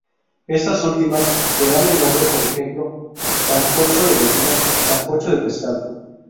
Estas últimas le dan el nombre, por ejemplo, "sancocho de gallina, sancocho de pescado".